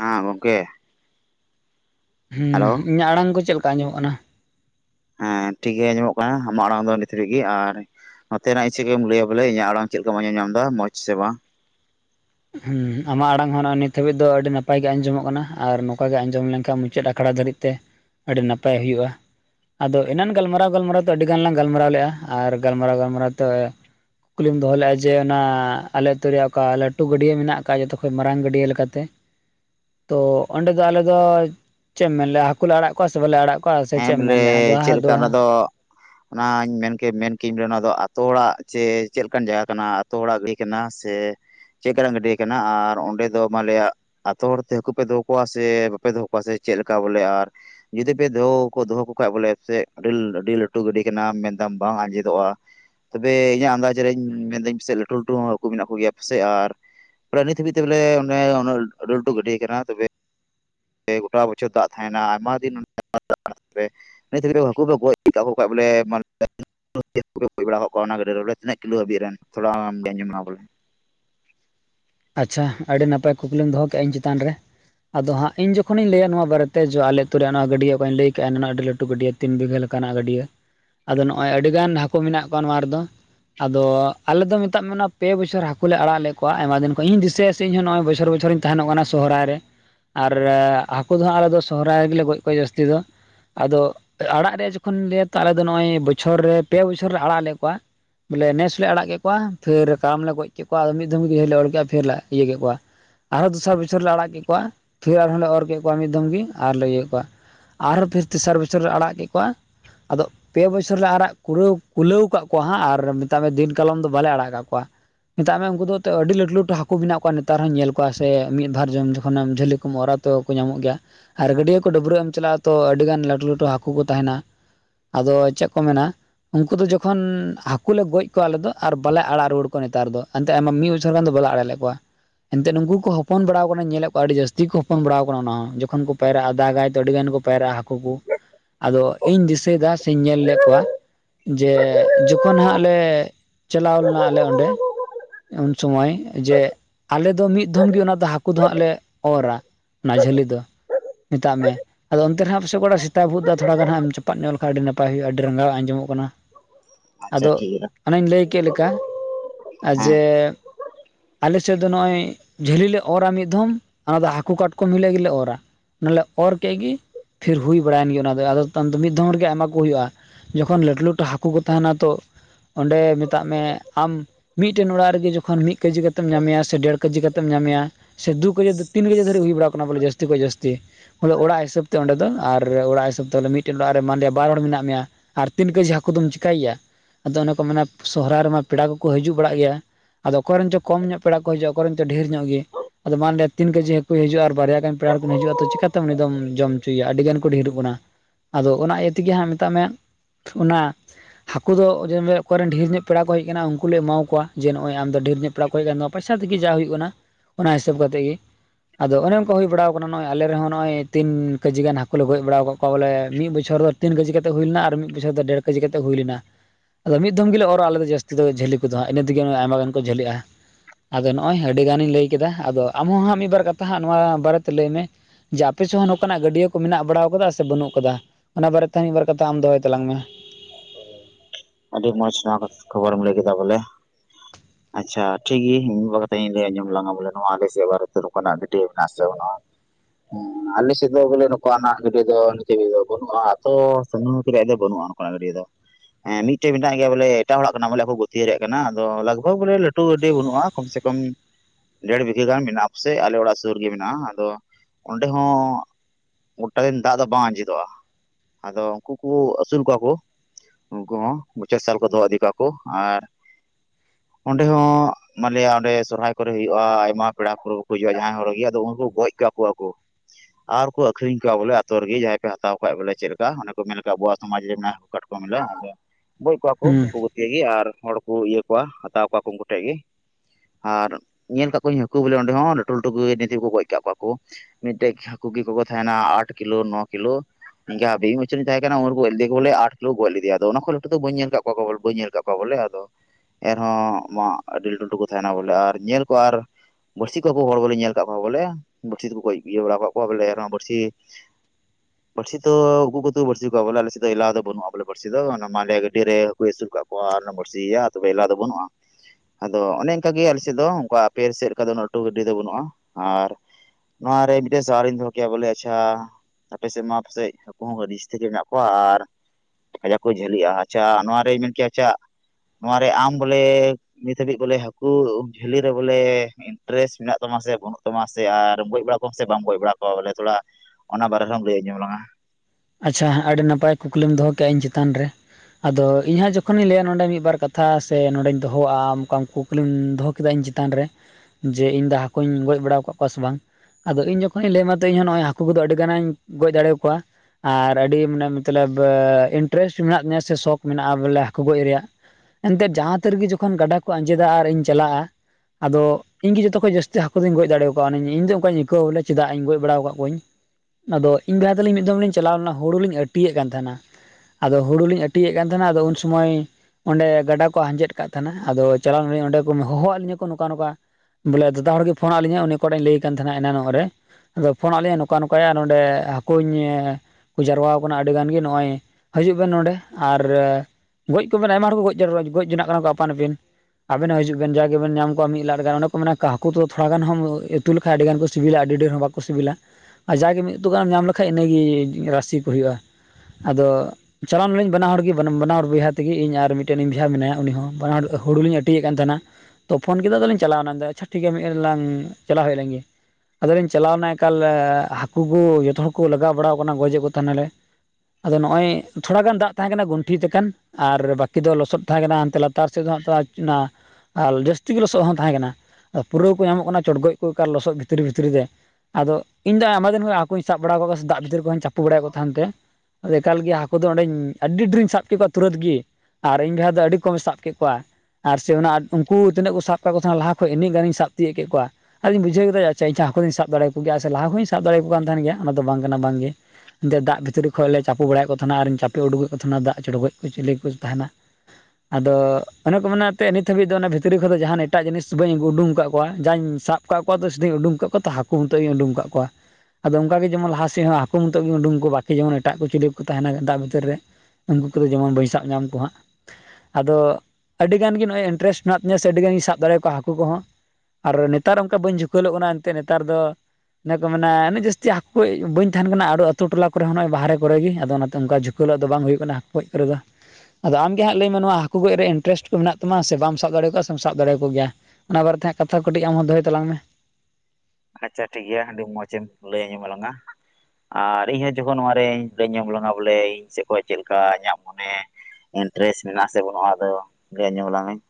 ᱦᱟᱸ ᱜᱚᱝᱠᱮ᱾ ᱦᱮᱞᱳ ᱦᱩᱸ ᱤᱧᱟᱹᱜ ᱟᱲᱟᱝ ᱠᱚ ᱪᱮᱫ ᱞᱮᱠᱟ ᱟᱸᱡᱚᱜ ᱠᱟᱱᱟ? ᱦᱮᱸ ᱴᱷᱤᱠ ᱜᱮ ᱟᱸᱡᱚᱢᱚᱜ ᱠᱟᱱᱟ ᱟᱢᱟᱜ ᱟᱲᱟᱝ ᱫᱚ ᱱᱤᱛ ᱨᱤᱜᱤ, ᱟᱨ- ᱱᱚᱛᱮᱱᱟᱜ ᱤᱪᱷᱟ ᱜᱮᱢ ᱞᱟᱹᱭᱟ ᱵᱚᱞᱮ ᱤᱧᱟᱹᱜ ᱟᱲᱟᱝ ᱪᱮᱫ ᱞᱮᱠᱟᱢ ᱟᱸᱡᱚᱢ ᱧᱟᱢ ᱫᱟ ᱢᱚᱸᱡᱽ ᱥᱮ ᱵᱟᱝ? ᱦᱩᱸ ᱟᱢᱟᱜ ᱟᱲᱟᱝ ᱦᱚᱸ ᱱᱚ ᱱᱤᱛ ᱦᱟᱹᱵᱤᱡ ᱫᱚ ᱟᱹᱰᱤ ᱱᱟᱯᱟᱭ ᱜᱮ ᱟᱸᱡᱚᱢᱚᱜ ᱠᱟᱱᱟ ᱟᱨ ᱱᱚᱝᱠᱟ ᱜᱮ ᱟᱸᱡᱚᱢ ᱞᱮᱱᱠᱷᱟᱱ ᱢᱩᱪᱟᱹᱫᱽ ᱟᱠᱷᱲᱟ ᱫᱷᱟᱹᱨᱤᱡ ᱛᱮ ᱟᱹᱰᱤ ᱱᱟᱯᱟᱭ ᱦᱩᱭᱩᱜᱼᱟ᱾ ᱟᱫᱚ ᱮᱱᱟᱱ ᱜᱟᱞᱢᱟᱨᱟᱣ ᱜᱟᱞᱢᱟᱨᱟᱣ ᱛᱮ ᱟᱹᱰᱤ ᱜᱟᱱ ᱞᱟᱝ ᱜᱟᱞᱢᱟᱨᱟᱣ ᱞᱮᱜᱼᱟ, ᱟᱨ ᱜᱟᱞᱢᱟᱨᱟᱣ ᱜᱟᱞᱢᱟᱨᱟᱣ ᱛᱮ ᱠᱩᱠᱞᱤᱢ ᱫᱚᱦᱚ ᱞᱮᱫᱼᱟ ᱡᱮ ᱚᱱᱟ ᱟᱞᱮ ᱟᱹᱛᱩ ᱨᱮᱭᱟᱜ ᱚᱠᱟ ᱞᱟᱹ ᱴᱩ ᱜᱟᱹᱰᱭᱟᱹ ᱢᱮᱱᱟᱜ ᱠᱟᱫ ᱡᱷᱚᱛᱚ ᱠᱷᱚᱡ ᱢᱟᱨᱟᱝ ᱜᱟᱹᱰᱭᱟᱹ ᱞᱮᱠᱟᱛᱮ, ᱛᱚ ᱚᱸᱰᱮ ᱫᱚ ᱟᱞᱮ ᱫᱚ ᱪᱮᱫ ᱮᱢ ᱢᱮᱱ ᱞᱮᱭᱟ ᱦᱟᱹᱠᱩ ᱞᱮ ᱟᱲᱟᱜ ᱠᱚᱣᱟ ᱥᱮ ᱵᱟᱞᱮ ᱟᱲᱟᱜ ᱠᱚᱣᱟ ᱥᱮ ᱦᱮᱸ ᱪᱮᱫ ᱮᱢ ᱢᱮᱱ ᱵᱚᱞᱮ ᱞᱮᱜᱼᱟ ᱪᱮᱫ ᱫᱚᱦᱲᱟ ᱞᱮᱠᱟ ᱫᱚᱦᱲᱟ ᱚᱱᱟ ᱫᱚ ᱚᱱᱟᱧ ᱢᱮᱱ ᱠᱮ ᱢᱮᱱ ᱠᱮᱧ ᱱᱚᱣᱟ ᱫᱚ ᱟᱛᱳ ᱚᱲᱟᱜ ᱪᱮ ᱪᱮᱫ ᱞᱮᱠᱟᱱ ᱡᱟᱭᱜᱟ ᱠᱟᱱᱟ? ᱡᱷᱚᱛᱚ ᱦᱚᱲᱟᱜ ᱜᱟᱹᱲᱭᱟᱹ ᱠᱟᱱᱟ ᱥᱮ ᱪᱮᱫ ᱠᱟᱱᱟ ᱜᱟᱹᱰᱭᱟᱹ ᱠᱟᱱᱟ ᱟᱨ ᱚᱸᱰᱮ ᱫᱚ ᱢᱟᱞᱮᱭᱟᱜ ᱟᱛᱳ ᱦᱚᱲᱛᱮ ᱦᱟᱹᱠᱩ ᱯᱮ ᱫᱚᱦᱚ ᱠᱚᱣᱟ ᱥᱮ ᱵᱟᱯᱮ ᱫᱚᱦᱚ ᱠᱚᱣᱟ ᱥᱮ ᱪᱮᱫ ᱞᱮᱠᱟ ᱵᱚᱞᱮ ᱟᱨ ᱡᱩᱫᱤ ᱯᱮ ᱫᱚᱦᱚ ᱦᱚᱸᱠᱚ ᱫᱚᱦᱚ ᱠᱚ ᱠᱷᱟᱡ ᱵᱚᱞᱮ ᱵᱟᱥᱠᱮ [unintelligible] ᱟᱹᱰᱤ ᱞᱟᱹᱴᱩ ᱜᱟᱹᱰᱭᱟᱹ ᱠᱟᱱᱟ ᱢᱮᱱᱫᱟᱢ ᱵᱟᱝ ᱟᱸᱡᱮᱫᱚᱜᱼᱟ᱾ ᱛᱚᱵᱮ ᱤᱧᱟᱹᱜ ᱟᱱᱫᱟᱡ ᱨᱮᱧ ᱢᱮᱱᱫᱟᱹᱧ ᱯᱟᱥᱮᱡ ᱞᱟᱹᱴᱩ ᱞᱟᱹᱴᱩ ᱦᱚᱸ ᱦᱟᱹᱠᱩ ᱢᱮᱱᱟᱜ ᱠᱚᱜᱮᱭᱟ ᱯᱟᱥᱮᱡ ᱟᱨ ᱚᱸᱰᱮ ᱱᱤᱛ ᱦᱟᱹᱵᱤᱡ ᱛᱮ ᱵᱚᱞᱮ ᱚᱱᱮ ᱚᱱᱟ ᱟᱹᱰᱤ ᱞᱟᱹᱴᱩ ᱜᱟᱹᱰᱭᱟᱹ ᱠᱟᱱᱟ ᱾ᱛᱚᱵᱮ ᱥᱮ ᱜᱚᱴᱟ ᱵᱚᱪᱷᱚᱨ ᱫᱟᱜ ᱛᱟᱦᱮᱱᱟ ᱟᱭᱢᱟ ᱫᱤᱱ ᱨᱮ ᱱᱤᱛ ᱫᱷᱟᱹᱵᱤᱡ ᱛᱮ ᱦᱟᱹᱠᱩ ᱫᱚ ᱜᱚᱡ ᱠᱟᱠᱚ ᱠᱷᱟᱡ ᱵᱚᱞᱮ ᱢᱮ [unintelligible] [unintelligible] ᱯᱩᱨᱟᱹ ᱠᱚ ᱜᱚᱡ ᱵᱟᱲᱟ ᱠᱚᱣᱟ ᱚᱱᱟ ᱜᱟᱹᱰᱭᱟᱹ ᱨᱮ ᱵᱚᱞᱮ ᱛᱤᱱᱟᱹᱜ ᱠᱤᱞᱳ ᱦᱟᱹᱵᱤᱡ ᱨᱮᱱ ᱛᱷᱚᱲᱟ [unintelligible] ᱟᱸᱡᱚᱢᱚᱜᱟ [unintelligible] ᱵᱚᱞᱮ᱾ ᱟᱪᱪᱷᱟ ᱟᱹᱰᱤ ᱱᱟᱯᱟᱭ ᱠᱩᱠᱞᱤᱢ ᱫᱚᱦᱚ ᱠᱮᱜᱼᱟ ᱤᱧ ᱪᱮᱛᱟᱱ ᱨᱮ ᱟᱫᱚ ᱦᱟᱸᱜ ᱤᱧ ᱡᱚᱠᱷᱚᱱᱤᱧ ᱞᱟᱹᱭᱟ ᱱᱚᱣᱟ ᱵᱟᱨᱮᱛᱮ ᱡᱚ ᱟᱞᱮ ᱟᱹᱛᱩ ᱨᱮ ᱱᱚᱣᱟ ᱜᱟᱹᱰᱭᱟᱹ ᱵᱟᱹᱧ ᱞᱟᱹᱭ ᱠᱟᱜᱼᱟ ᱮᱱᱟᱱᱚᱜ ᱟᱹᱰᱤ ᱞᱟᱹᱴᱩ ᱜᱟᱹᱰᱭᱟᱹ ᱛᱤᱱ ᱵᱤᱜᱷᱟᱹ ᱞᱮᱠᱟᱱᱟᱜ ᱜᱟᱹᱰᱭᱟᱹ ᱟᱫᱚ ᱱᱚᱜᱼᱚᱭ ᱟᱹᱰᱤ ᱜᱟᱱ ᱦᱟᱠᱚ ᱢᱮᱱᱟᱜ ᱠᱚᱣᱟ ᱱᱚᱣᱟ ᱨᱮᱫᱚ ᱟᱫᱚ ᱟᱞᱮ ᱫᱚ ᱢᱮᱛᱟᱜ ᱢᱮ ᱚᱱᱟ ᱯᱮ ᱵᱚᱪᱷᱚᱨ ᱦᱟᱠᱚ ᱞᱮ ᱟᱲᱟᱜ ᱞᱮᱫ ᱠᱚᱣᱟ ᱟᱭᱢᱟ ᱫᱤᱱ ‌ ᱠᱷᱚᱡ ᱤᱧ ᱫᱤᱥᱟᱹᱭᱟ ᱥᱮ ᱤᱧ ᱦᱚᱸ ᱱᱚᱜᱼᱚᱭ ᱵᱚᱪᱷᱚᱨ ᱵᱚᱪᱷᱚᱨᱤᱧ ᱛᱟᱦᱮᱱᱚᱜ ᱠᱟᱱᱟ ᱥᱚᱦᱨᱟᱭ ᱨᱮ ᱟᱨ ᱦᱟᱹᱠᱩ ᱫᱚ ᱦᱟᱸᱜ ᱟᱞᱮ ᱫᱚ ᱥᱚᱦᱨᱟᱭ ᱨᱮ ᱜᱮᱞᱮ ᱜᱚᱡ ᱠᱚᱣᱟ ᱡᱟᱹᱥᱛᱤ ᱫᱚ ᱟᱫᱚ ᱟᱲᱟᱜ ᱨᱮᱭᱟᱜ ᱡᱚᱠᱷᱚᱱ ᱞᱟᱹᱭᱟ ᱛᱚ ᱟᱞᱮ ᱫᱚ ᱱᱚᱜᱼᱚᱭ ᱵᱚᱪᱷᱚᱨ ᱨᱮ ᱯᱮ ᱵᱚᱪᱷᱚᱨ ᱨᱮ ᱟᱲᱟᱜ ᱞᱮ ᱠᱚᱣᱟ᱾ ᱵᱚᱞᱮ ᱱᱮᱥ ᱞᱮ ᱟᱲᱟᱜ ᱠᱮᱫ ᱠᱚᱣᱟ ᱯᱷᱤᱨ ᱠᱟᱞᱚᱢ ᱞᱮ ᱜᱚᱡ ᱠᱮᱫ ᱠᱚᱣᱟ ᱟᱫᱚ ᱢᱤᱫ ᱫᱷᱚᱢ ᱜᱮ ᱦᱮᱸ ᱞᱚᱲᱜᱟ ᱯᱷᱤᱨ ᱞᱟᱡ ᱤᱭᱟᱹ ᱠᱮᱫ ᱠᱚᱣᱟ ᱯᱷᱤᱨ ᱞᱮ ᱤᱭᱟᱹ ᱠᱮᱫ ᱠᱚᱣᱟ ᱟᱨᱦᱚᱸ ᱫᱚᱥᱟᱨ ᱵᱚᱪᱷᱚᱨ ᱞᱮ ᱟᱲᱟᱜ ᱠᱮᱫ ᱠᱚᱣᱟ ᱯᱷᱤᱨ ᱟᱨᱦᱚᱸ ᱞᱮ ᱚᱨ ᱠᱮᱫ ᱠᱚᱣᱟ ᱢᱤᱫ ᱫᱷᱚᱢ ᱜᱮ ᱟᱨᱞᱮ ᱤᱭᱟᱹ ᱠᱮᱫ ᱠᱚᱣᱟ᱾‌ ᱟᱨᱦᱚᱸ ᱯᱷᱤᱨ ᱛᱮᱥᱟᱨ ᱵᱚᱪᱷᱚᱨ ᱞᱮ ᱟᱲᱟᱜ ᱠᱮᱫ ᱠᱚᱣᱟ, ᱟᱫᱚ ᱯᱮ ᱵᱚᱪᱷᱚᱨ ᱨᱮ ᱞᱮ ᱟᱲᱟᱜ ᱠᱩᱨᱟᱹᱣ ᱠᱩᱞᱟᱹᱣ ᱟᱠᱟᱫ ᱠᱚᱣᱟ ᱦᱟᱸᱜ ᱟᱨ ᱢᱮᱛᱟᱜ ᱢᱮ ᱫᱤᱱ ᱠᱟᱞᱚᱢ ᱫᱚ ᱵᱟᱞᱮ ᱟᱲᱟᱜ ᱠᱟᱜ ᱠᱚᱣᱟ᱾ ᱢᱮᱛᱟᱜ ᱢᱮ ᱩᱱᱠᱩ ᱫᱚ ᱟᱹᱰᱤ ᱞᱟᱹᱴᱩ ᱞᱟᱹᱴᱩ ᱦᱟᱠ ᱦᱟᱹᱠᱩ ᱢᱮᱱᱟᱜ ᱠᱚᱣᱟ, ᱱᱮᱛᱟᱨ ᱦᱚᱧ ᱧᱮᱞ ᱠᱚᱣᱟ ᱥᱮ ᱢᱤᱫ ᱵᱟᱨ ᱡᱚᱢ ᱡᱚᱠᱷᱚᱱᱮᱢ ᱡᱷᱟᱹᱞᱤ ᱠᱚᱢ ᱚᱨᱟ ᱛᱚ ᱠᱚ ᱧᱟᱢᱚᱜ ᱜᱮᱭᱟ᱾ ᱟᱨ ᱜᱟᱹᱰᱭᱟᱹ ᱠᱚ ᱰᱟᱹᱵᱽᱨᱟᱹᱜ ᱮᱢ ᱪᱟᱞᱟᱜᱼᱟ ᱛᱚ ᱟᱹᱰᱤ ᱜᱟᱱ ᱞᱟᱹᱴᱩ ᱞᱟᱹᱴᱩ ᱦᱟᱠᱚ ᱠᱚ ᱛᱟᱦᱮᱱᱟ᱾ ᱟᱫᱚ ᱪᱮᱫ ᱠᱚ ᱢᱮᱱᱟ ᱩᱱᱠᱩ ᱫᱚ ᱡᱚᱠᱷᱚᱱ ᱦᱟᱹᱠᱩ ᱞᱮ ᱜᱚᱡ ᱠᱚᱣᱟ ᱟᱞᱮ ᱫᱚ ᱟᱨ ᱵᱟᱞᱮ ᱟᱲᱟᱜ ᱨᱩᱣᱟᱹᱲ ᱠᱚᱣᱟ ᱱᱮᱛᱟᱨ ᱫᱚ ᱮᱱᱛᱮ ᱟᱭᱢᱟ ᱢᱤᱫ ᱵᱚᱪᱷᱚᱨ ᱜᱟᱱ ᱫᱚ ᱵᱟᱞᱮ ᱟᱲᱟᱜ ᱞᱮ ᱠᱚᱣᱟ ᱮᱱᱛᱮᱜ ᱱᱩᱠᱩ ᱠᱚ ᱦᱚᱯᱚᱱ ᱵᱟᱲᱟᱣ ᱠᱟᱱᱟ ᱧᱮᱞᱮᱫ ᱠᱚᱣᱟ ᱟᱹᱰᱤ ᱡᱟᱹᱥᱛᱤ ᱠᱚ ᱦᱚᱯᱚᱱ ᱵᱟᱲᱟᱣ ᱠᱟᱱᱟ ᱚᱱᱟ ᱦᱚᱸ ᱡᱚᱠᱷᱚᱱ ᱠᱚ ᱯᱟᱭᱨᱟᱜᱼᱟ ᱫᱟᱜᱟᱭ ᱛᱚ ᱟᱹᱰᱤ ᱜᱟᱱ ᱠᱚ ᱯᱟᱭᱨᱟᱜᱼᱟ‌᱾ ᱦᱟᱸᱠᱩ ᱠᱚ ᱟᱫᱚ ᱤᱧ ᱫᱤᱥᱟᱹᱭᱫᱟ ᱥᱮᱧ ᱧᱮᱞ ᱞᱮᱫ ᱠᱚᱣᱟ ᱡᱮ ᱡᱚᱠᱷᱚᱱ ᱦᱟᱸᱜ ᱞᱮ ᱪᱟᱞᱟᱣ ᱞᱮᱱᱟ ᱟᱞᱮ ᱚᱸᱰᱮ ᱩᱱ ᱥᱚᱢᱚᱭ ᱡᱮ ᱟᱞᱮ ᱫᱚ ᱢᱤᱫ ᱫᱷᱚᱢ ᱜᱮ ᱚᱱᱟ ᱫᱚ ᱦᱟᱹᱠᱩ ᱫᱚ ᱦᱟᱸᱜ ᱞᱮ ᱚᱨᱟ ᱚᱱᱟ ᱡᱷᱟᱹᱞᱤ ᱫᱚ ᱢᱮᱛᱟᱜ ᱢᱮ ᱟᱫᱚ ᱚᱱᱛᱮ ᱦᱟᱸᱜ ᱯᱟᱥᱮᱡ ᱚᱠᱚᱭ ᱴᱟᱜ ᱥᱮᱛᱟ ᱵᱷᱩᱜ ᱫᱟᱭ ᱛᱷᱚᱲᱟ ᱜᱟᱱ ᱦᱟᱸᱜ ᱮᱢ ᱪᱟᱯᱟᱫ ᱧᱚᱜ ᱞᱮᱠᱷᱟᱡ ᱟᱹᱰᱤ ᱱᱟᱯᱟᱭ ᱦᱩᱭᱩᱜᱼᱟ ᱟᱹᱰᱤ ᱨᱟᱸᱜᱟᱣ ᱟᱸᱡᱚᱢᱚᱜ ᱠᱟᱱᱟ᱾ ᱟᱪᱪᱷᱟ ᱟᱫᱚ ᱴᱷᱤᱠ ᱜᱮᱭᱟ ᱚᱱᱟᱹᱧ ᱞᱟᱹᱭ ᱠᱮᱫ ᱞᱮᱠᱟ ᱦᱮᱸ ᱡᱮ ᱟᱞᱮᱥᱮᱫ ᱫᱚ ᱱᱚᱜᱼᱚᱭ ᱡᱷᱟᱹᱞᱤ ᱞᱮ ᱚᱨᱟ ᱢᱤᱫ ᱫᱷᱚᱢ ᱚᱱᱟᱫᱚ ᱦᱟᱠᱚ ᱠᱟᱴᱠᱚᱢ ᱦᱤᱞᱚᱜ ᱜᱮᱞᱮ ᱚᱨᱟ ᱚᱱᱟᱞᱮ ᱚᱨ ᱠᱮᱫ ᱜᱮ ᱯᱷᱤᱨ ᱦᱩᱭ ᱵᱟᱲᱟᱭᱮᱱ ᱜᱮ ᱚᱱᱟ ᱫᱚ ᱟᱫᱚ ᱛᱟᱭᱚᱢ ᱢᱤᱫ ᱫᱷᱚᱢ ᱨᱮᱜᱮ ᱟᱭᱢᱟ ᱠᱚ ᱦᱩᱭᱩᱜᱼᱟ᱾ ᱡᱚᱠᱷᱚᱱ ᱞᱟᱹᱴᱩ ᱞᱟᱹᱴᱩ ᱦᱟᱠᱚ ᱠᱚ ᱛᱟᱦᱮᱱᱟ ᱛᱚ ᱚᱸᱰᱮ ᱢᱮᱛᱟᱜ ᱢᱮ ᱟᱢ ᱢᱤᱫᱴᱮᱱ ᱚᱲᱟᱜ ᱨᱮᱜᱮ ᱡᱚᱠᱷᱚᱱ ᱢᱤᱫ ᱠᱮᱡᱤ ᱠᱟ ᱠᱟᱛᱮᱢ ᱧᱟᱢᱮᱭᱟ ᱥᱮ ᱰᱮᱲ ᱠᱮᱡᱤ ᱠᱟᱛᱮᱢ ᱧᱟᱢᱮᱭᱟ ᱥᱮ ᱫᱩ ᱠᱮᱡᱤ ᱫᱚ ᱛᱤᱱ ᱠᱮᱡᱤ ᱫᱷᱟᱹᱨᱤᱡ ᱦᱩᱭ ᱵᱟᱲᱟᱣ ᱟᱠᱟᱱᱟ ᱵᱚᱞᱮ ᱡᱟᱹᱥᱛᱤ ᱠᱷᱚᱡ ᱡᱟᱹᱥᱛᱤ ᱵᱚᱞᱮ ᱚᱲᱟᱜ ᱦᱤᱥᱟᱹᱵᱽ ᱛᱮ ᱚᱸᱰᱮ ᱫᱚ ᱟᱨ ᱚᱲᱟᱜ ᱦᱤᱥᱟᱹᱵᱽ ᱛᱮ ᱢᱤᱫᱴᱮᱱ ᱚᱲᱟᱜ ᱨᱮ ᱢᱟᱱᱞᱮᱭᱟ ᱵᱟᱨ ᱦᱚᱲ ᱢᱮᱱᱟᱜ ᱢᱮᱭᱟ ᱟᱨ ᱛᱤᱱ ᱠᱮᱡᱤ ᱦᱟᱠᱚ ᱫᱚᱢ ᱪᱮᱠᱟᱭᱮᱭᱟ ᱟᱫᱚ ᱚᱱᱮ ᱠᱚ ᱢᱮᱱᱟ ᱥᱚᱦᱨᱟᱭ ᱨᱮᱢᱟ ᱯᱮᱲᱟ ᱠᱚᱠᱚ ᱦᱤᱡᱩᱜ ᱵᱟᱲᱟᱜ ᱜᱮᱭᱟ ᱟᱫᱚ ᱚᱠᱚᱭ ᱨᱮᱱ ᱪᱚ ᱠᱚᱢ ᱧᱚᱜ ᱯᱮᱲᱟ ᱠᱚ ᱦᱤᱡᱩᱜᱼᱟ ᱚᱠᱚᱭ ᱨᱮᱱ ᱪᱚᱝ ᱰᱷᱮᱨ ᱧᱚᱜ ᱜᱮ ᱟᱫᱚ ᱢᱟᱱᱞᱮᱭᱟ ᱛᱤᱱ ᱠᱮᱡᱤ ᱦᱟᱹᱠᱩᱭ ᱦᱤᱡᱩᱜᱼᱟ᱾ ᱵᱟᱨᱭᱟ ᱜᱟᱱ ᱯᱮᱲᱟ ᱨᱮᱫᱚᱢ ᱦᱤᱡᱩᱜᱼᱟ ᱛᱚ ᱪᱮᱠᱟ ᱛᱮ ᱩᱱᱤ ᱫᱚᱢ ᱡᱚᱢ ᱦᱚᱪᱚᱭᱮᱭᱟ ᱟᱹᱰᱤ ᱜᱟᱱ ᱠᱩ ᱰᱷᱮᱨᱚᱜ ᱠᱟᱱᱟ᱾ ᱟᱫᱚ ᱚᱱᱟ ᱤᱭᱟᱹ ᱛᱮᱜᱮ ᱦᱟᱸᱜ ᱢᱮᱛᱟᱜ ᱢᱮ ᱚᱱᱟ ᱦᱟᱹᱠᱩ ᱫᱚ ᱡᱮ ᱚᱠᱚᱭ ᱨᱮᱱ ᱰᱷᱮᱨ ᱧᱚᱜ ᱯᱮᱲᱟ ᱠᱚ ᱦᱮᱡ ᱟᱠᱟᱱᱟ ᱩᱱᱠᱩ ᱞᱮ ᱮᱢᱟᱣ ᱠᱚᱣᱟ ᱡᱮ ᱱᱚᱜᱼᱚᱭ ᱟᱢᱫᱚ ᱰᱷᱮᱨ ᱧᱚᱜ ᱯᱮᱲᱟ ᱠᱚ ᱦᱮᱡ ᱟᱠᱟᱱ ᱛᱟᱢᱟ ᱯᱚᱭᱥᱟ ᱛᱮᱜᱮ ᱡᱟᱣ ᱦᱩᱭᱩᱜ ᱠᱟᱱᱟ ᱚᱱᱟ ᱦᱤᱥᱟᱹᱵᱽ ᱠᱟᱛᱮᱜ ᱜᱮ ᱟᱫᱚ ᱚᱱᱮ ᱚᱱᱠᱟ ᱦᱩᱭ ᱵᱟᱲᱟᱣ ᱟᱠᱟᱱᱟ ᱱᱚᱜᱼᱚᱭ ᱟᱞᱮ ᱨᱮᱦᱚᱸ ᱱᱚᱜᱼᱚᱭ ᱛᱤᱱ ᱠᱮᱡᱤ ᱜᱟᱱ ᱦᱟᱹᱠᱩ ᱞᱮ ᱜᱚᱡ ᱵᱟᱲᱟᱣ ᱟᱠᱟᱫ ᱠᱚᱣᱟ ᱵᱚᱞᱮ ᱢᱤᱫ ᱵᱚᱪᱷᱚᱨ ᱫᱚ ᱛᱤᱱ ᱠᱮᱡᱤ ᱠᱟᱛᱮ ᱦᱩᱭ ᱞᱮᱱᱟ ᱟᱨ ᱢᱤᱫ ᱯᱚᱭᱪᱟ ᱫᱚ ᱰᱮᱲ ᱠᱮᱡᱤ ᱠᱟᱛᱮᱜ ᱦᱩᱭ ᱞᱮᱱᱟ᱾ ᱟᱫᱚ ᱢᱤᱫ ᱫᱷᱚᱢ ᱜᱮᱞᱮᱚᱨᱼᱟ ᱟᱞᱮ ᱫᱚ ᱡᱟᱹᱛᱤ ᱫᱚ ᱡᱷᱟᱹᱞᱤ ᱠᱚᱫᱚᱦᱟᱸ ᱤᱱᱟᱹᱜᱮ ᱟᱭᱢᱟ ᱜᱟᱱ ᱡᱷᱟᱹᱞᱤᱜᱼᱟ ᱟᱫᱚ ᱱᱚᱜᱼᱚᱭ ᱟᱹᱰᱤ ᱜᱟᱱᱤᱧ ᱞᱟᱹᱭ ᱠᱮᱫᱟ ᱟᱫᱚ ᱟᱢᱦᱚᱸ ᱦᱟᱸᱜ ᱢᱤᱫᱵᱟᱨ ᱠᱟᱛᱷᱟ ᱦᱟᱸᱜ ᱱᱚᱣᱟ ᱵᱟᱨᱮᱛᱮ ᱞᱟᱹᱭ ᱢᱮ ᱡᱮ ᱟᱯᱮᱮᱥ ᱦᱚᱸ ᱱᱚᱝᱠᱟᱱᱟᱜ ᱜᱟᱹᱰᱭᱟᱹ ᱠᱚ ᱢᱮᱱᱟᱜ ᱵᱟᱲᱟ ᱟᱠᱟᱫᱟ ᱥᱮ ᱵᱟᱹᱱᱩᱜ ᱟᱠᱟᱫᱟ ᱚᱱᱟ ᱵᱟᱨᱮ ᱛᱟᱦᱮ ᱢᱤᱫᱤ ᱵᱟᱨ ᱠᱟᱛᱷᱟ ᱟᱢ ᱫᱚᱦᱚᱭ ᱛᱟᱞᱟᱝ ᱢᱮ ᱟᱹᱰᱤ ᱢᱚᱸᱡᱽ ᱱᱚᱣᱟ ᱠᱷᱚᱵᱚᱨᱮᱢ ᱞᱟᱹᱭ ᱠᱮᱫᱟ ᱵᱚᱞᱮ [inaudible] ᱟᱪᱪᱷᱟ ᱴᱷᱤᱠᱜᱮ ᱤᱧ ᱵᱟ ᱠᱟᱛ ᱤᱧ ᱞᱟᱹᱭ ᱟᱸᱡᱚᱢ ᱞᱝᱟ ᱵᱚᱞᱮ ᱱᱚᱣᱟ ᱟᱞᱮᱥ ᱥᱮ ᱵᱟᱨ ᱨᱮ ᱱᱚᱝᱠᱟᱱᱟᱜ ᱜᱟᱹᱰᱤᱥᱟᱹ ᱦᱮᱸ ᱟᱞᱮ ᱥᱮᱫ ᱫᱚ ᱵᱚᱞᱮ ᱱᱚᱝᱠᱟ ᱜᱰᱤ ᱫᱚ ᱱᱤᱛ ᱫᱚ ᱵᱟᱹᱱᱩᱜᱼᱟᱛᱚ ᱥᱜᱩ ᱨᱮᱭᱟᱜ ᱫᱚ ᱵᱟᱹᱱᱩᱜᱼᱟ ᱠᱟᱱᱟᱜ ᱜᱟᱹᱰᱭᱟᱹ ᱫᱚ ᱦᱮᱸ ᱢᱤᱫᱴᱮᱡ ᱢᱮᱱᱟᱜ ᱜᱮᱭᱟ ᱵᱚᱞᱮ ᱮᱴᱟᱜ ᱦᱚᱲᱟᱜ ᱠᱟᱱᱟ ᱵᱚᱞᱮ ᱜᱟᱹᱛᱭᱟᱹᱨ ᱨᱮᱭᱟᱜ ᱠᱟᱱᱟ ᱞᱽ ᱵᱷᱟᱜᱽ ᱵᱚᱞᱮ ᱞᱟᱹᱴᱩ ᱜᱟᱹᱰᱤ ᱵᱟᱹᱱᱩᱜᱼᱟ ᱠᱚᱢ ᱥᱮ ᱠᱚᱢ ᱰᱮᱲ ᱵᱤᱜᱷᱟᱹ ᱜᱟᱱ ᱢᱮᱱᱟᱜᱼᱟ ᱥᱮ ᱟᱞᱮ ᱚᱲᱟᱜ ᱥᱩᱨ ᱨᱮᱜᱮ ᱢᱮᱱᱟᱜᱼᱟ ᱟᱫᱚ ᱚᱸᱰᱮ ᱦᱚᱸ ᱜᱚᱴᱟ ᱫᱤᱱ ᱫᱟᱜ ᱫᱚ ᱵᱟᱝ ᱟᱸᱡᱮᱫᱚᱜᱼᱟ ᱟᱫᱚ ᱩᱱᱠᱩ ᱠᱚ ᱟᱹᱥᱩᱞ ᱠᱚᱣᱟ ᱠᱚ ᱩᱱᱠᱩ ᱦᱚᱸ ᱵᱚᱪᱷᱚᱨ ᱥᱟᱞ ᱠᱚ ᱫᱚᱦᱚ ᱤᱫᱤ ᱠᱚᱣᱟ ᱠᱚ ᱟᱨ [unintelligible] ᱚᱸᱰᱮ ᱦᱚᱸ ᱢᱟᱱᱮᱭᱟ ᱚᱸᱰᱮ ᱥᱚᱨᱚᱦᱦᱟᱭ ᱠᱚᱨᱮ ᱦᱩᱭᱩᱜᱼᱟ ᱟᱭᱢᱟ ᱯᱮᱲᱟ ᱯ ᱠᱚ ᱦᱤᱡᱩᱜᱼᱟ ᱡᱟᱦᱟᱸᱭ ᱦᱚᱲᱚᱜᱮ ᱟᱫᱚ ᱩᱱᱠᱩ ᱜᱚᱡ ᱠᱚᱣᱟ ᱠᱚ ᱠᱚ ᱟᱨ ᱠᱚ ᱟᱹᱷᱨᱤᱧ ᱠᱚᱣᱟ ᱵᱚᱞᱮ ᱟ ᱟᱹᱛᱩᱳ ᱨᱮᱜᱮ ᱡᱟᱦᱟᱸᱭ ᱯᱮ ᱦᱟᱛᱟᱣ ᱠᱷᱟᱡ ᱵᱚᱞᱮ ᱪᱮᱫ ᱞᱮᱠᱟ ᱸᱮ ᱠᱚ ᱢᱮᱱ ᱟᱵᱚᱣᱟᱜ ᱥᱚᱢᱟ ᱨᱮ ᱢᱮᱱᱟᱜ ᱠᱟᱴ ᱠᱚᱣᱟᱚᱢ ᱟ ᱵᱳᱭ ᱠᱚᱲᱟ ᱦᱩᱸ ᱠᱚ ᱠᱮᱜ ᱜᱮ ᱟᱨ ᱦᱚᱲ ᱠᱚ ᱤᱭᱟᱹ ᱠᱚᱣᱟ ᱦᱟᱛᱟᱣ ᱠᱚᱣᱟ ᱩᱱᱠᱩ ᱴᱷᱮᱱ ᱜᱮ ᱟᱨ ᱧᱮᱞ ᱠᱟᱫ ᱠᱚᱣᱟᱧ ᱦᱟᱟᱹᱠᱩ ᱵᱚᱞᱮ ᱚᱸᱰᱮ ᱦᱚᱸ ᱞᱟᱹᱴᱩ ᱞᱟᱹᱩᱩᱜ ᱱᱤᱛᱮᱠᱚ ᱜᱚᱡ ᱠᱟᱜ ᱠᱚᱣᱟ ᱠᱚ ᱢᱤᱫᱴᱮᱡ ᱦᱟᱹᱠᱩ ᱜᱤ ᱠᱚᱠᱚ ᱛᱟᱦᱮᱱᱟ ᱟᱴ ᱠᱤᱞᱳ ᱱᱚ ᱠᱤᱞᱳ ᱤᱪᱧ ᱵᱚᱨᱪᱚᱝ ᱤᱧ ᱛᱟᱦᱮ [unintelligible] ᱵᱚᱞᱮ ᱟᱨ ᱞᱩ ᱜᱚᱫ ᱞᱮᱫᱮᱭᱟ ᱟ ᱚᱱᱟ ᱠᱚ ᱞᱟᱹᱴᱩ ᱫᱚ ᱵᱟᱹ ᱧᱮᱞ ᱟᱠᱟᱫ ᱠᱚᱣᱟ ᱵᱧ ᱧᱮᱞ ᱟᱠᱟᱫ ᱠᱚᱣᱟ ᱵᱚᱞᱮ ᱟᱫᱚ ᱮᱱᱦᱚᱸ ᱟ ᱟᱹᱰᱤ ᱞᱟᱹᱴᱩ ᱞᱟᱹᱴᱩ ᱠᱚ ᱛᱟᱦᱮᱱᱟ ᱵᱚᱞᱮ ᱟᱨ ᱧᱮᱞ ᱠᱚᱜ ᱟᱨ ᱵᱟᱹᱲᱥᱤ ᱠᱚ ᱦᱚᱲᱚᱞᱮ ᱧᱮᱞ ᱠᱟᱜ ᱠᱚᱣᱟ ᱵᱚᱞᱮ ᱵᱟᱹᱲᱥᱤ ᱛᱮᱠᱚ ᱜᱚᱡ ᱤᱭᱟᱹ ᱵᱟᱲᱟ ᱠᱟᱜ ᱠᱚᱣᱟ ᱵᱚᱞᱮ ᱵᱟᱹᱲᱥᱤ ᱵᱟᱹᱲᱥᱤ ᱛᱚ ᱩᱠᱩ ᱠᱚ ᱵᱟᱹᱲᱥᱤ ᱠᱚᱣᱟ ᱵᱚᱞᱮ ᱟ ᱫᱚ ᱮᱟᱦᱟ ᱫᱚ ᱵᱟᱹᱱᱩᱜ ᱟᱼᱟ ᱵᱟᱹᱲᱥᱤ ᱫᱚ ᱢᱟᱞᱮ ᱜᱟᱹᱰᱮ ᱦᱟᱹᱠᱩᱭ ᱦᱤᱥᱟᱹᱵᱽ ᱠᱟᱜ ᱠᱚᱣᱟ ᱟᱨᱞᱮ ᱵᱟᱹᱲᱥᱤᱭᱮᱭᱟ ᱛᱚᱵᱮ ᱮᱞᱟ ᱫᱚ ᱵᱟᱹᱱᱩᱜᱼᱟ ᱟᱫᱚ ᱚᱱᱮ ᱚᱱᱠᱮ ᱟᱞᱮ ᱥᱮᱫ ᱫᱚ ᱚᱱᱠᱟ ᱟ ᱯᱮ ᱥᱮᱫ ᱞᱮᱠᱟ ᱫᱚ ᱞᱴᱩ ᱜᱟᱹᱰᱤ ᱫᱚ ᱵᱟᱹᱱᱩᱜᱼᱟ ᱟᱨ ᱱᱚᱣᱟᱮ ᱢᱤᱫᱴᱮᱡ ᱥᱟᱨᱤᱧ ᱫᱚᱦᱚ ᱠᱮᱭᱟ ᱵᱚᱞᱮ ᱟᱪᱪᱷᱟ ᱟᱯᱮᱥᱮᱫ ᱢᱟ ᱯᱟᱥᱮᱡ ᱦᱟᱹᱠᱩ ᱦᱚᱸ ᱟᱹᱰᱤᱤᱥ ᱛᱮᱜᱮ ᱢᱮᱱᱟᱜ ᱠᱚᱣᱟ ᱟᱨ ᱠᱟᱡᱟᱜ ᱠᱚ ᱡᱷᱟᱹᱞᱤᱜᱼᱟ ᱟᱪᱪᱷᱟ ᱱᱚᱣᱟᱨᱮᱧ ᱢᱮᱱ ᱠᱮᱭᱟ ᱟᱪᱪᱷᱟ ᱱᱚᱣᱟᱨᱮ ᱟᱢ ᱵᱚᱞᱮ ᱱᱤᱛ ᱦᱟᱹᱵᱤᱡ ᱵᱚᱞᱮ ᱦᱟᱠᱩ ᱡᱷᱟᱹᱞᱤ ᱨᱮ ᱵᱚᱞᱮ ᱤᱱᱴᱟᱨᱮᱥᱴ ᱢᱮᱱᱟᱜ ᱛᱟᱢᱟ ᱥᱮ ᱵᱟᱹᱱᱩᱜ ᱛᱟᱢᱟ ᱥᱮ ᱟᱨ ᱜᱚᱡ ᱵᱟᱲᱟ ᱥᱮ ᱵᱟᱢ ᱜᱚᱡ ᱵᱟᱲᱟ ᱠᱚᱣᱟ ᱵᱚᱞᱮ ᱛᱷᱚᱲᱟ ᱚᱱᱟ ᱵᱟᱨᱮ ᱦᱚᱸᱢ ᱞᱟᱹᱭ ᱟᱸᱚᱢᱟᱝᱟ ᱟᱪᱪᱷᱟ ᱟᱹᱰᱤ ᱱᱟᱯᱟᱭ ᱠᱩᱠᱞᱤᱢ ᱫᱚᱦᱚ ᱠᱮᱜᱼᱟ ᱤᱧ ᱪᱮᱛᱟᱱ ᱨᱮ ᱾ ᱟᱫᱚ ᱤᱧ ᱦᱟᱸᱜ ᱡᱚᱠᱷᱚᱱᱤᱧ ᱞᱟᱹᱭᱟ ᱱᱚᱰᱮ ᱢᱤᱫ ᱵᱟᱨ ᱠᱟᱛᱷᱟ ᱥᱮ ᱱᱚᱸᱰᱮᱧ ᱫᱚᱦᱚᱣᱟᱜᱼᱟ ᱟᱢ ᱟᱝᱠᱟ ᱩᱱᱠᱩ ᱠᱞᱤᱢ ᱫᱚᱦᱚ ᱠᱮᱫᱟ ᱤᱧ ᱪᱮᱛᱟᱱ ᱨᱮ ᱡᱮ ᱤᱧ ᱫᱚ ᱦᱟᱹᱠᱩᱧ ᱜᱚᱡ ᱵᱟᱲᱟ ᱟᱠᱟᱫ ᱠᱚᱣᱟ ᱥᱮ ᱵᱟᱝ ᱾ ᱟᱫᱚ ᱤᱧ ᱡᱚᱠᱷᱚᱱ ᱤᱧ ᱞᱟᱹᱭᱟ ᱢᱟ ᱛᱚ ᱤᱧ ᱦᱚ ᱱᱚᱜ-ᱚᱭ ᱦᱟᱹᱠᱩ ᱠᱚᱫᱚ ᱟᱹᱰᱤ ᱜᱟᱱᱤᱧ ᱜᱚᱡ ᱫᱟᱲᱮ ᱟᱠᱚᱣᱟ ᱾ ᱟᱨ ᱟᱹᱰᱤ ᱢᱟᱱᱮ ᱢᱚᱛᱞᱟᱵ ᱤᱱᱴᱨᱮᱥᱴ ᱢᱮᱱᱟᱜ ᱛᱤᱧᱟ ᱥᱮ ᱥᱚᱠ ᱢᱮᱱᱟᱜᱼᱟ ᱵᱚᱞᱮ ᱦᱟᱹᱠᱩ ᱜᱚᱡ ᱨᱮᱭᱟᱜ ᱾ ᱮᱱ ᱛᱮᱫ ᱡᱟᱦᱟᱸ ᱛᱤ ᱨᱮᱜᱮ ᱡᱚᱠᱷᱚᱱ ᱜᱟᱰᱟ ᱠᱚ ᱟᱸᱡᱮᱫᱟ ᱟᱨ ᱤᱧ ᱪᱟᱞᱟᱜᱼᱟ, ᱟᱫᱚ ᱤᱧ ᱜᱮ ᱡᱚᱛᱚ ᱠᱷᱚᱡ ᱡᱟᱹᱥᱛᱤ ᱦᱟᱹᱠᱩ ᱫᱚᱧ ᱜᱚᱡ ᱫᱟᱲᱮᱣᱟ ᱤᱧ ᱫᱚ ᱚᱱᱠᱟᱧ ᱟᱹᱭᱠᱟᱹᱣ ᱵᱚᱞᱮ ᱪᱮᱫᱟᱜ ᱤᱧ ᱜᱚᱡ ᱵᱟᱲᱟᱣ ᱠᱟᱫ ᱠᱚᱣᱟᱹᱧ ᱾ ᱟᱫᱚ ᱤᱧ ᱵᱚᱭᱦᱟ ᱛᱮᱞᱤᱧ ᱢᱤᱫ ᱫᱚᱢ ᱞᱤᱧ ᱪᱟᱞᱟᱣ ᱞᱮᱱᱟ ᱦᱩᱲᱩ ᱞᱤᱧ ᱟᱹᱴᱤᱭᱮᱫ ᱠᱟᱱ ᱛᱟᱦᱮᱱᱟ ᱾ ᱟᱫᱚ ᱦᱩᱲᱩ ᱞᱤᱧ ᱟᱹᱴᱤᱭᱮᱫ ᱠᱟᱱ ᱛᱟᱦᱮᱱᱟ ᱟᱫᱚ ᱩᱱ ᱥᱩᱚᱢᱚᱭ ᱚᱸᱰᱮ ᱜᱟᱰᱟ ᱠᱚ ᱟᱸᱡᱮᱫ ᱠᱟᱜ ᱛᱟᱦᱮᱱᱟ ᱟᱫᱚ ᱪᱟᱞᱟᱣ ᱱᱟᱞᱤᱧ ᱚᱸᱰᱮ ᱠᱚ ᱦᱚᱦᱚᱣᱟᱫ ᱞᱤᱧᱟᱹ ᱠᱚ ᱱᱚᱠᱟ ᱱᱚᱠᱟ ᱵᱚᱞᱮ ᱫᱟ ᱦᱚᱲ ᱜᱮ ᱯᱷᱳᱱ ᱟᱫ ᱞᱤᱧᱟᱹ ᱩᱱᱤ ᱚᱠᱚᱴᱟᱜ ᱤᱧ ᱞᱟᱹᱭ ᱠᱟᱱ ᱛᱟᱦᱮᱱᱟ ᱮᱱᱟᱱᱚᱜ ᱨᱮ ᱾ ᱟᱫᱚ ᱯᱷᱳᱱ ᱟᱫ ᱞᱤᱧᱟᱹ ᱱᱚᱝᱠᱟ ᱱᱚᱝᱠᱟᱭᱟ ᱱᱚᱰᱮ ᱦᱟᱹᱠᱩᱧ ᱠᱚ ᱡᱟᱨᱣᱟ ᱠᱟᱱᱟ ᱟᱹᱰᱤ ᱜᱟᱱ ᱜᱮ ᱱᱚᱜᱼᱚᱭ ᱦᱤᱡᱩᱜ ᱵᱮᱱ ᱱᱚᱸᱰᱮ, ᱟᱨ ᱜᱚᱡ ᱠᱚᱵᱮᱱ ᱟᱭᱢᱟ ᱦᱚᱲ ᱠᱚ ᱜᱚᱡ ᱡᱟᱣᱚᱜᱼᱟ ᱟᱭᱢᱟ ᱦᱚᱲ ᱠᱚ ᱜᱚᱡ ᱡᱱᱟᱜ ᱠᱟᱱᱟ ᱠᱚ ᱟᱯᱟᱱ ᱟᱹᱯᱤᱱ ᱾ ᱟᱵᱮᱱ ᱦᱚᱸ ᱦᱤᱡᱩᱜ ᱵᱮᱱ ᱡᱟ ᱜᱮᱵᱮᱱ ᱧᱟᱢ ᱠᱚᱣᱟ ᱢᱤᱫ ᱞᱟᱛ ᱜᱟᱱ, ᱚᱱᱮ ᱠᱚ ᱢᱮᱱᱟ ᱠᱟ ᱦᱟᱠᱩ ᱫᱚ ᱛᱷᱚᱲᱟ ᱦᱟᱱ ᱦᱚ ᱩᱛᱩ ᱞᱮᱠᱷᱟᱡ ᱟᱹᱰᱤ ᱜᱟᱱ ᱠᱚ ᱥᱤᱵᱤᱞᱟ ᱟᱹᱰᱤ ᱰᱷᱮᱨ ᱦᱚᱸ ᱵᱟᱠᱚ ᱥᱤᱵᱤᱞᱟ, ᱟᱨ ᱡᱟᱜᱮ ᱢᱤᱫ ᱩᱛᱩ ᱜᱟᱱ ᱧᱟᱢ ᱞᱮᱠᱷᱟᱡ ᱤᱱᱟᱹᱜᱮ ᱨᱟᱥᱤ ᱠᱚ ᱦᱩᱭᱩᱜᱼᱟ, ᱟᱫᱚ ᱪᱟᱞᱟᱣ ᱞᱮᱱᱟᱧ ᱵᱟᱱᱟ ᱦᱚᱲ ᱜᱮ ᱵᱟᱱᱟ ᱦᱚᱲ ᱵᱚᱭᱦᱟ ᱛᱮᱜᱮ ᱤᱧ ᱟᱨ ᱢᱤᱫᱴᱮᱱ ᱤᱧ ᱵᱚᱭᱦᱟ ᱢᱮᱱᱟᱭᱟ ᱩᱱᱤ ᱦᱚᱸ ᱵᱟᱱᱟ ᱦᱚᱲ ᱦᱩᱲᱩ ᱞᱤᱧ ᱟᱹᱴᱤᱭᱮᱫ ᱠᱟᱱ ᱛᱟᱦᱮᱱᱟ ᱛᱚ ᱯᱷᱳᱱ ᱠᱮᱫᱟ, ᱟᱫᱚ ᱞᱤᱧ ᱪᱟᱞᱟᱣ ᱮᱱᱟ ᱟᱪᱪᱷᱟ ᱴᱷᱤᱠ ᱜᱮᱭᱟ ᱢᱤᱫ ᱜᱷᱟᱲᱤ ᱞᱟᱝ ᱪᱟᱞᱟᱣ ᱦᱮᱡ ᱞᱮᱱ ᱜᱮ ᱾ ᱟᱫᱚ ᱞᱤᱧ ᱪᱟᱞᱟᱣᱱᱟ ᱮᱠᱟᱞ ᱦᱟᱹᱠᱩ ᱠᱚ ᱡᱚᱛᱚ ᱦᱚᱲ ᱠᱚ ᱞᱟᱜᱟᱣ ᱵᱟᱲᱟᱣ ᱠᱟᱱᱟ ᱜᱚᱡ ᱮᱫ ᱠᱚ ᱛᱟᱦᱮᱱᱟᱞᱮ ᱾ ᱟᱫᱚ ᱱᱚᱜ-ᱚᱭ ᱛᱷᱚᱲᱟ ᱜᱟᱱ ᱫᱟᱜ ᱛᱟᱦᱮᱸ ᱠᱟᱱᱟ ᱜᱚᱱᱴᱷᱤ ᱛᱮᱠᱟᱱ ᱟᱨ ᱵᱟᱹᱠᱤ ᱫᱚ ᱞᱚᱥᱚᱫ ᱛᱟᱦᱮᱸ ᱠᱟᱱᱟ ᱦᱟᱱᱛᱮ ᱞᱟᱛᱟᱨ ᱥᱮᱫ ᱫᱚ ᱦᱟᱜ ᱛᱚ ᱚᱱᱟ ᱟᱨ ᱡᱟᱹᱥᱛᱤ ᱜᱮ ᱞᱚᱥᱚᱫ ᱦᱚᱸ ᱛᱟᱦᱮᱸ ᱠᱟᱱᱟ ᱯᱩᱨᱟᱹ ᱠᱚ ᱧᱟᱢᱚᱜ ᱠᱟᱱᱟ ᱪᱚᱰᱜᱚᱡ ᱠᱚ ᱞᱚᱥᱚᱫ ᱵᱷᱤᱛᱨᱤ ᱵᱷᱤᱛᱨᱤ ᱨᱮ ᱾ ᱟᱫᱚ ᱤᱧ ᱫᱚ ᱟᱭᱢᱟ ᱫᱤᱱ ᱠᱷᱚᱱ ᱦᱟᱹᱠᱩᱧ ᱥᱟᱵ ᱵᱟᱲᱟ ᱠᱟᱜ ᱠᱚᱣᱟ ᱥᱮ ᱫᱟᱜ ᱵᱷᱤᱛᱟᱹᱨ ᱠᱚᱦᱚᱧ ᱪᱟᱯᱚ ᱵᱟᱲᱟᱭ ᱠᱚ ᱛᱟᱦᱮᱸᱱ ᱛᱮ ᱟᱫᱚ ᱮᱠᱟᱞ ᱜᱮ ᱦᱟᱹᱠᱩ ᱫᱚ ᱚᱸᱰᱮᱧ ᱟᱹᱰᱤ ᱰᱷᱮᱨᱤᱧ ᱥᱟᱵ ᱠᱮᱫ ᱠᱚᱣᱟ ᱛᱩᱨᱟᱹᱛ ᱜᱮ ᱟᱨ ᱤᱧ ᱵᱚᱭᱦᱟ ᱫᱚ ᱟᱹᱰᱤ ᱠᱚᱢᱮ ᱥᱟᱵ ᱠᱮᱫ ᱠᱚᱣᱟ ᱾ ᱟᱨ ᱥᱮ ᱚᱱᱟ ᱩᱱᱠᱩ ᱛᱤᱱᱟᱹᱜ ᱠᱚ ᱥᱟᱵ ᱠᱟᱜ ᱠᱚ ᱛᱟᱦᱮᱱᱟ ᱞᱟᱦᱟ ᱠᱷᱚᱡ ᱩᱱᱟᱹᱜ ᱜᱟᱱᱤᱧ ᱥᱟᱵ ᱛᱤᱭᱳᱜ ᱠᱮᱫ ᱠᱚᱣᱟ ᱾ ᱟᱫᱚᱧ ᱵᱩᱷᱟᱹᱣ ᱠᱮᱫᱟ ᱟᱪᱷᱟ ᱤᱧᱦᱚᱸ ᱦᱟᱠᱩ ᱫᱚᱧ ᱥᱟᱵ ᱫᱟᱲᱮᱭᱟ ᱠᱚ ᱜᱮᱭᱟ ᱥᱮ ᱞᱟᱦᱟ ᱦᱚᱧ ᱥᱟᱵ ᱫᱟᱲᱮ ᱠᱩ ᱠᱟᱱ ᱛᱟᱦᱮᱱ ᱜᱮᱭᱟ ᱚᱱᱟ ᱫᱚ ᱵᱟᱝ ᱠᱟᱱᱟ ᱵᱟᱝ ᱜᱮ ᱾ ᱮᱛᱮ ᱫᱟᱜ ᱵᱷᱤᱛᱨᱤ ᱠᱷᱚᱡ ᱞᱮ ᱪᱟᱯᱚ ᱵᱟᱲᱟᱭᱮᱫ ᱠᱚ ᱛᱟᱦᱮᱱᱟ ᱟᱨᱤᱧ ᱪᱟᱯᱮ ᱩᱰᱩᱠ ᱮᱫ ᱠᱚ ᱛᱟᱦᱮᱱᱟ ᱫᱟᱜ ᱪᱚᱰᱜᱚᱡ ᱠᱚ ᱪᱤᱞᱤ ᱠᱚ ᱛᱟᱦᱮᱱᱟ ᱾ ᱟᱫᱚ ᱚᱱᱮ ᱠᱚ ᱢᱮᱱᱟ ᱮᱛᱮ ᱱᱤᱛ ᱦᱟᱹᱵᱤᱡ ᱫᱚ ᱚᱱᱟ ᱵᱷᱤᱛᱨᱤ ᱠᱷᱚᱡ ᱫᱚ ᱡᱟᱦᱟᱱ ᱮᱴᱟᱜ ᱡᱤᱱᱤᱥ ᱵᱟᱹᱧ ᱩᱰᱩᱝ ᱟᱠᱟᱫ ᱠᱚᱣᱟ ᱡᱟᱧ ᱥᱟᱵ ᱠᱟᱜ ᱠᱚᱣᱟ ᱛᱚ ᱥᱩᱫᱩᱧ ᱩᱰᱩᱝ ᱠᱟᱜ ᱠᱚᱣᱟ ᱛᱚ ᱦᱟᱹᱠᱩ ᱢᱚᱛᱚ ᱜᱤᱧ ᱩᱰᱩᱝ ᱠᱟᱜ ᱠᱚᱣᱟ ᱾ ᱟᱫᱚ ᱚᱱᱠᱟᱜ ᱜᱮ ᱡᱮᱢᱚᱱ ᱞᱟᱦᱟ ᱥᱮᱫ ᱦᱚᱸ ᱦᱟᱹᱠᱩ ᱢᱚᱛᱚᱜ ᱜᱮ ᱩᱰᱩᱝ ᱠᱚ ᱵᱟᱠᱤ ᱡᱮᱢᱚᱱ ᱮᱴᱟᱜ ᱠᱚ ᱪᱤᱞᱤ ᱠᱚ ᱛᱟᱦᱮᱱᱟ ᱫᱟᱜ ᱵᱷᱤᱛᱤᱨ ᱨᱮ ᱩᱱᱠᱩ ᱠᱚᱫᱚ ᱡᱮᱢᱚᱱ ᱵᱟᱹᱧ ᱥᱟᱵ ᱧᱟᱢ ᱠᱚ ᱦᱟᱸᱜ ᱟᱫᱚ ᱟᱹᱰᱤ ᱜᱟᱱ ᱜᱮ ᱱᱚᱜ-ᱚᱭ ᱤᱱᱴᱟᱨᱮᱥᱴ ᱢᱮᱱᱟᱜ ᱛᱤᱧᱟᱹ ᱥᱮ ᱟᱹᱰᱤ ᱜᱟᱱ ᱜᱤᱧ ᱥᱟᱵ ᱫᱟᱲᱮᱭᱟ ᱠᱚᱣᱟ ᱦᱟᱹᱠᱩ ᱠᱚᱦᱚᱸ ᱾ ᱟᱨ ᱱᱮᱛᱟᱨ ᱚᱱᱠᱟ ᱵᱟᱹᱧ ᱡᱷᱩᱠᱟᱹᱞᱚᱜ ᱠᱟᱱᱟ ᱮᱱᱛᱮᱫ ᱱᱮᱛᱟᱨ ᱫᱚ ᱤᱱᱟᱹ ᱠᱚ ᱢᱮᱱᱟ ᱤᱱᱟᱹᱜ ᱡᱟᱹᱥᱛᱤ ᱦᱟᱹᱠᱩ ᱵᱟᱹᱧ ᱛᱟᱦᱮᱱ ᱠᱟᱱᱟ ᱟᱫᱚ ᱟᱹᱛᱩ ᱴᱚᱞᱟ ᱠᱚᱨᱮ ᱦᱚᱸ ᱱᱚᱜᱼᱚᱭ ᱵᱟᱦᱨᱮ ᱠᱚᱨᱮ ᱜᱮ, ᱟᱫᱚ ᱚᱱᱟᱛᱮ ᱚᱱᱠᱟ ᱡᱷᱩᱠᱟᱹᱞᱟᱹᱜ ᱫᱚ ᱵᱟᱝ ᱦᱩᱭᱩᱜ ᱠᱟᱱᱟ ᱦᱟᱹᱠᱩ ᱜᱚᱡ ᱠᱚᱨᱮ ᱫᱚ ᱾ ᱟᱫᱚ ᱟᱢ ᱜᱮ ᱦᱟᱸᱜ ᱞᱟᱹᱭ ᱢᱮ ᱦᱟᱹᱠᱩ ᱜᱚᱡ ᱨᱮ ᱤᱱᱴᱟᱨᱮᱥᱴ ᱠᱚ ᱢᱮᱱᱟᱜ ᱛᱟᱢᱟ ᱥᱮ ᱵᱟᱢ ᱥᱟᱵ ᱫᱟᱲᱮᱭᱟ ᱠᱚᱣᱟ ᱥᱮᱢ ᱥᱟᱵ ᱫᱟᱲᱮᱭᱟ ᱠᱚ ᱜᱮᱭᱟ? ᱚᱱᱟ ᱵᱟᱨᱮ ᱛᱮ ᱦᱟᱸᱜ ᱠᱟᱛᱷᱟ ᱠᱚ ᱠᱟᱹᱴᱤᱡ ᱟᱢᱦᱚᱸ ᱫᱚᱦᱚᱭ ᱛᱟᱞᱟᱝ ᱢᱮ ᱾ ᱟᱪᱪᱷᱟ ᱴᱷᱤᱠ ᱜᱮᱭᱟ ᱟᱹᱰᱤ ᱢᱚᱸᱡᱽ ᱮᱢ ᱞᱟᱹᱭ ᱟᱸᱡᱚᱢ ᱟᱜ ᱞᱟᱝᱟ ᱾ ᱟᱨ ᱤᱧᱦᱚᱸ ᱡᱚᱠᱷᱚᱱ ᱱᱚᱣᱟ ᱨᱮᱧ ᱞᱟᱹᱭ ᱟᱡᱚᱢ ᱟᱞᱟᱝᱟ ᱵᱚᱞᱮ ᱤᱧ ᱥᱮᱫ ᱠᱷᱚᱱ ᱪᱮᱫ ᱞᱮᱠᱟ ᱤᱧᱟᱹᱜ ᱢᱚᱱᱮ ᱤᱱᱴᱨᱮᱥᱴ ᱢᱮᱱᱟᱜ ᱟᱥᱮ ᱵᱟᱹᱱᱩᱜᱼᱟ ᱟᱫᱚ ᱞᱟᱹᱭ ᱟᱸᱡᱚᱢ ᱟᱞᱟᱝ ᱟᱹᱧ ᱾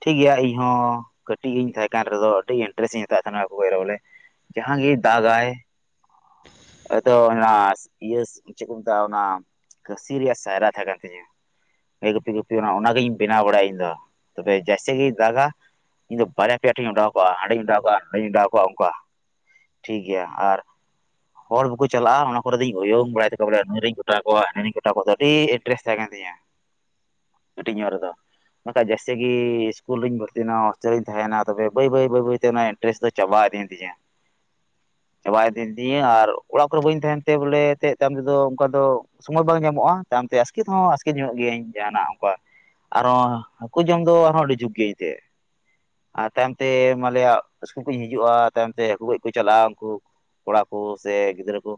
ᱴᱷᱤᱠ ᱜᱮᱭᱟ ᱤᱧ ᱦᱚᱸ ᱠᱟᱹᱴᱤᱡ ᱤᱧ ᱛᱟᱦᱮᱸ ᱠᱟᱱ ᱨᱮᱫᱚ ᱟᱹᱰᱤ ᱤᱱᱴᱨᱮᱥᱴ ᱤᱧ ᱦᱟᱛᱟᱣᱮᱫ ᱛᱟᱦᱱᱟ [inaudible] ᱵᱚᱞᱮ ᱡᱟᱦᱟᱸ ᱜᱮ ᱫᱟᱜᱟᱭ ᱟᱫᱚ ᱚᱱᱟ ᱤᱭᱟᱹ ᱪᱮᱫ ᱠᱚ ᱢᱮᱛᱟᱜᱼᱟ ᱚᱱᱟ ᱠᱟᱹᱥᱤ ᱨᱮᱭᱟᱜ ᱥᱟᱭᱨᱟ ᱛᱟᱦᱮᱸ ᱠᱟᱱ ᱛᱤᱧᱟᱹ ᱜᱟᱹᱭ ᱜᱩᱯᱤ ᱜᱩᱯᱤ ᱚᱱᱟ ᱚᱱᱟᱜᱤᱧ ᱵᱮᱱᱟᱣ ᱵᱟᱲᱟᱭᱟ ᱤᱧ ᱫᱚ ᱛᱚᱵᱮ ᱡᱟᱭᱥᱮ ᱜᱮᱭ ᱫᱟᱜᱟ ᱤᱧ ᱫᱚ ᱵᱟᱨᱭᱟ ᱯᱮᱭᱟ ᱴᱷᱮᱧ ᱚᱰᱟᱣ ᱠᱟᱜᱼᱟ, ᱦᱟᱸᱰᱮᱧ ᱚᱰᱟᱣ ᱠᱟᱜᱼᱟ ᱱᱚᱸᱰᱮᱧ ᱚᱰᱟᱣ ᱠᱟᱜᱼᱟ ᱚᱱᱠᱟ, ᱴᱷᱤᱠ ᱜᱮᱭᱟ ᱟᱨ ᱦᱚᱲ ᱵᱟᱠᱚ ᱪᱟᱞᱟᱜᱼᱟ ᱚᱱᱟ ᱠᱚᱨᱮ ᱫᱚᱧ ᱩᱭᱩᱝ ᱵᱟᱲᱟᱭ ᱛᱟᱠᱚᱣᱟ ᱵᱚᱞᱮ ᱱᱩᱭ ᱨᱤᱧ ᱠᱚᱴᱟ ᱠᱚᱣᱟ ᱦᱱᱟᱹᱤ ᱨᱮᱧ ᱠᱚᱴᱟ ᱠᱚᱣᱟ ᱟᱹᱰᱤ ᱤᱱᱴᱨᱮᱥ ᱛᱟᱦᱮᱸ ᱠᱟᱱ ᱛᱤᱧᱟ ᱾ [unintelligible] ᱠᱟᱴᱤᱡ ᱧᱚᱜ ᱨᱮᱫᱚ ᱾ ᱵᱟᱠᱷᱟᱡ ᱡᱟᱹᱥᱛᱤ ᱜᱤ ᱤᱥᱠᱩᱞ ᱨᱤᱧ ᱵᱷᱚᱨᱛᱤᱭ ᱱᱟ ᱦᱚᱸᱥᱴᱮᱞ ᱨᱤᱧ ᱛᱟᱦᱮᱸᱭ ᱱᱟ ᱛᱚᱵᱮ ᱵᱟᱹᱭ ᱵᱟᱹᱭ ᱵᱟᱹᱭ ᱵᱟᱹᱭ ᱛᱮ ᱚᱱᱟ ᱮᱼᱼ ᱤᱱᱴᱟᱨᱮᱥᱴ ᱫᱚ ᱪᱟᱵᱟ ᱤᱫᱤ ‌ᱭᱮᱱ ᱛᱤᱧᱟ᱾ [unintelligible] ᱪᱟᱵᱟ ᱤᱫᱤ ᱭᱮᱱ ᱛᱤᱧᱟᱹ ᱟᱨ ᱚᱲᱟᱜ ᱠᱚᱨᱮ ᱵᱟᱹᱧ ᱛᱟᱦᱮᱱ ᱛᱮ ᱵᱚᱞᱮ ᱮᱛᱮᱜ ᱛᱟᱭᱚᱢ ᱛᱮᱫᱚ ᱚᱱᱠᱟ ᱫᱚᱼᱼ ᱥᱚᱢᱟᱹᱭ ᱵᱟᱝ ᱧᱟᱢᱚᱜ-ᱟ ᱛᱟᱭᱚᱢ ᱛᱮ ᱟᱥᱠᱤᱛ ᱦᱚᱸ ᱟᱥᱠᱤᱛ ᱧᱚᱜᱚᱜ ᱜᱤᱭᱟᱹᱧ ᱡᱟᱦᱟᱸᱱᱟᱜ ᱚᱱᱠᱟᱼᱼ ᱟᱨᱚ ᱦᱟᱹᱠᱩ ᱡᱚᱢ ᱫᱚ ᱟᱨ ᱦᱚᱸ ᱟᱹᱰᱤ ᱡᱷᱩᱠ ᱜᱮ ᱮᱛᱮᱜ᱾ ᱟᱨ ᱛᱟᱭᱚᱢ ᱛᱮ ᱢᱟᱞᱮᱭᱟᱜ ᱤᱥᱠᱩᱞ ᱠᱷᱩᱡ ᱤᱧ ᱦᱤᱡᱩᱜ-ᱟ ᱛᱟᱭᱚᱢ ᱛᱮ ᱦᱟᱹᱠᱩ ᱜᱚᱡ ᱠᱩ ᱪᱟᱞᱟᱜᱼᱟ ᱩᱱᱠᱩᱼᱼ ᱠᱚᱲᱟ ᱠᱚ ᱥᱮ ᱜᱤᱫᱽᱨᱟᱹ ᱠᱚ᱾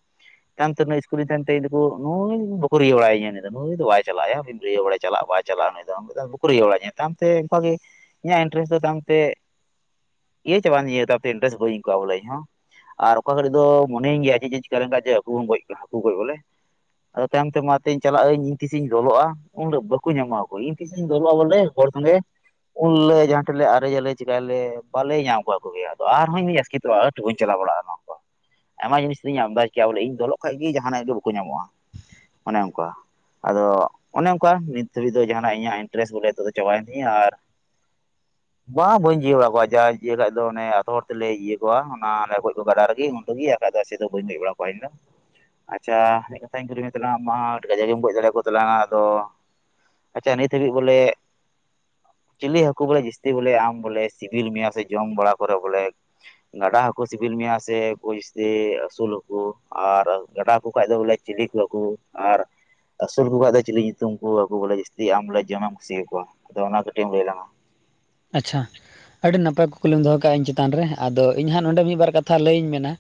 ᱠᱟᱱ ᱛᱮ ᱱᱩᱭ ᱤᱥᱠᱩᱞᱮ ᱛᱮᱦᱮᱱ ᱛᱮ ᱤᱧ ᱫᱩᱠᱩ ᱱᱩᱭ ᱵᱟᱠᱚ ᱨᱤᱭᱟᱹᱣ ᱵᱟᱲᱟᱭᱧᱟᱹ ᱱᱮ ᱫᱚ ᱱᱩᱭ ᱫᱚ ᱵᱟᱭ ᱪᱟᱞᱟᱜ-ᱟ ᱭᱟ ᱱᱤᱢ ᱨᱤᱭᱟᱹᱣ ᱵᱟᱲᱟᱭ ᱪᱟᱞᱟᱜ ᱟᱭ ᱵᱟᱭ ᱼᱼ ᱪᱟᱞᱟᱜ-ᱟ ᱱᱩᱭ ᱫᱚ ᱚᱱᱚ ᱫᱚ ᱵᱟᱹᱠᱩ ᱨᱤᱭᱟᱹᱣ ᱵᱟᱲᱟᱧᱟ ᱛᱟᱭᱚᱢ ᱛᱮ ᱚᱱᱠᱟ ᱜᱮ ᱤᱧᱟᱜ ᱤᱱᱴᱨᱮᱥᱴ ᱫᱚ ᱛᱟᱭᱚᱢ ᱛᱮᱼᱼ ᱤᱭᱟᱹ ᱪᱟᱵᱟ ᱭᱮᱱ ᱛᱤᱧᱟᱹ [unintelligible] ᱛᱮ ᱤᱱᱴᱨᱮᱥᱴ ᱵᱟᱹᱧ ᱟᱹᱭᱠᱟᱹᱣᱟ ᱵᱚᱞᱮ ᱤᱧ ᱦᱚᱸ ᱟᱨ ᱚᱠᱟ ᱜᱷᱟᱹᱲᱤᱡ ᱫᱚᱼᱼ ᱢᱚᱱᱮ ᱭᱟᱹᱧ ᱜᱮᱭᱟ ᱡᱮ ᱪᱮᱜ ᱪᱤᱠᱟ ᱞᱮᱱ ᱠᱷᱟᱡ ᱡᱮ ᱦᱟᱹᱠᱩ ᱵᱚᱱ ᱜᱚᱡ ᱠᱚᱣᱟ ᱦᱟᱹᱠᱩ ᱜᱚᱡ ᱵᱚᱞᱮ ᱾ ᱟᱫᱚ ᱛᱟᱭᱚᱢ ᱛᱮ ᱢᱟ ᱛᱤᱧ ᱪᱟᱞᱟᱜ-ᱟ ᱟᱹᱧ ᱤᱧ ᱛᱤᱥᱤᱧ ᱞᱚᱞᱚᱜ-ᱟ᱾ ᱩᱱ ᱨᱮ ᱵᱟᱹᱠᱩ ᱧᱟᱢᱚᱜ-ᱟ ᱠᱚ ᱤᱧ ᱛᱤᱥᱤᱧ ᱫᱚᱞᱚᱜ-ᱟ ᱵᱚᱞᱮ ᱦᱚᱲ ᱥᱚᱝᱜᱮ᱾ ᱩᱱ ᱞᱟᱹᱜ ᱡᱟᱦᱟᱸ ᱴᱷᱮᱡ ᱞᱮ ᱟᱨᱮᱡᱽ ᱟᱞᱮ ᱪᱮᱠᱟᱭ ᱞᱮ ᱵᱟᱞᱮ ᱧᱟᱢ ᱠᱚᱣᱟ ᱦᱟᱹᱠᱩ ᱜᱮ ᱟᱫᱚ ᱟᱨ ᱦᱚᱸ ᱤᱧ ᱫᱩᱧ ᱟᱥᱠᱤᱛᱚᱜ-ᱟ ᱦᱟᱹᱴ‌ᱼᱼ ᱛᱩ ᱵᱟᱹᱧ ᱪᱟᱞᱟᱣ ᱵᱟᱲᱟᱜ-ᱟ ᱱᱚᱣᱟ ᱠᱚ᱾ ᱟᱭᱢᱟ ᱡᱤᱱᱤᱥ ᱨᱤᱧ ᱟᱢᱫᱟᱪ ᱠᱟᱜ-ᱟ ᱵᱚᱞᱮ ᱤᱧ ᱫᱚᱞᱚᱜ ᱠᱷᱟᱡ ᱜᱤ ᱡᱟᱦᱟᱸ ᱱᱟᱜ ᱜᱮ ᱵᱟᱹᱠᱩ ᱧᱟᱢᱚᱜ-ᱟ ᱚᱱᱮ ᱚᱱᱠᱟ᱾ ᱟᱫᱚ ᱚᱱᱮ ᱚᱱᱠᱟ ᱱᱤᱛ ᱫᱷᱟᱹᱵᱤᱡ ᱫᱚ ᱡᱟᱦᱟᱸᱱᱟᱜ ᱤᱧᱟᱜ ᱤᱱᱴᱨᱮᱥ ᱵᱚᱞᱮ ᱱᱤᱛᱚᱜ ᱫᱚ ᱪᱟᱵᱟ ᱭᱮᱱ ᱛᱤᱧᱟ ᱟᱨᱼᱼ [inaudible] ᱵᱟᱝ ᱵᱟᱹᱧ ᱡᱤᱭᱟᱹ ᱵᱟᱲᱟ ᱠᱚᱣᱟ ᱡᱟ ᱤᱭᱟᱹ ᱠᱷᱟᱡ ᱫᱚ ᱚᱱᱮ ᱟᱛᱚ ᱦᱚᱲ ᱛᱮᱞᱮ ᱤᱭᱟᱹ ᱠᱚᱣᱟ ᱚᱱᱟ ᱟᱞᱮ ᱜᱚᱡ ᱠᱚᱣᱟ ᱜᱟᱰᱟ ᱨᱮᱜᱮ ᱩᱱ ᱨᱮ ᱜᱤ᱾ ᱠᱷᱟᱡ ᱫᱚ ᱮᱭᱥᱮ ᱫᱚ ᱵᱟᱹᱧ ᱜᱚᱡ ᱵᱟᱲᱟ ᱠᱚᱣᱟ ᱤᱧ ᱫᱚ᱾ ᱟᱪᱪᱷᱟ ᱢᱤᱫ ᱠᱟᱛᱷᱟᱧ ᱠᱩᱞᱤ ᱢᱮ ᱛᱟᱞᱟᱝ ᱟᱢ ᱢᱟ ᱟᱹᱰᱤ ᱠᱟᱡᱟᱠ ᱜᱮᱢ ᱜᱚᱡ ᱫᱟᱲᱮ ᱭᱟᱠᱚ ᱛᱟᱞᱟᱝᱟ ᱟᱫᱚᱼᱼ ᱟᱪᱪᱷᱟ ᱱᱤᱛ ᱦᱟᱹᱵᱤᱡ ᱵᱚᱞᱮᱼᱼ ᱪᱤᱞᱤ ᱦᱟᱹᱠᱩ ᱵᱚᱞᱮ ᱡᱟᱹᱥᱛᱤ ᱵᱚᱞᱮ ᱟᱢ ᱵᱚᱞᱮ ᱥᱤᱵᱤᱞ ᱢᱮᱭᱟ ᱥᱮ ᱡᱚᱢ ᱵᱟᱲᱟ ᱠᱚᱨᱮ ᱵᱚᱞᱮᱼᱼ ᱜᱟᱰᱟ ᱦᱟᱠᱚ ᱥᱤᱵᱤᱞ ᱢᱮᱭᱟ ᱥᱮ ᱠᱩᱭᱥᱼᱼ ᱡᱮ ᱟᱹᱥᱩᱞ ᱠᱩ ᱟᱨ ᱜᱟᱰᱟ ᱦᱟᱹᱠᱩ ᱠᱷᱟᱡ ‌ᱫᱚ ᱵᱚᱞᱮ ᱪᱤᱞᱤ ᱠᱩ ᱦᱟᱹᱠᱩ ᱟᱨᱼᱼ ᱟᱹᱥᱩᱞ ᱠᱩ ᱠᱷᱟᱡ ᱫᱚ ᱪᱤᱞᱤ ᱧᱩᱛᱩᱢ ᱠᱩ ᱦᱟᱹᱠᱩ ᱵᱚᱞᱮ ᱡᱟᱹᱥᱛᱤ ᱟᱢ ᱵᱚᱞᱮ ᱡᱚᱢᱮᱢ ᱠᱩᱥᱤ ᱭᱟᱠᱚᱣᱟ ᱟᱫᱚ ᱚᱱᱟ ᱠᱟᱹᱴᱤᱡ ᱮᱢ ᱞᱟᱹᱭ ᱞᱟᱝᱟ? ᱟᱪᱪᱷᱟ᱾ ᱟᱹᱰᱤ ᱱᱟᱯᱟᱭ ᱠᱩᱠᱞᱤᱢ ᱫᱚᱦᱚ ᱠᱟᱜ-ᱟ ᱤᱧ ᱪᱮᱛᱟᱱ ᱨᱮ ᱟᱫᱚ ᱤᱧ ᱦᱟᱸᱜ ᱱᱚᱰᱮ ᱢᱤᱫ ᱵᱟᱨ ᱠᱟᱛᱷᱟ ᱞᱟᱹᱭᱤᱧ ᱢᱮᱱᱟ᱾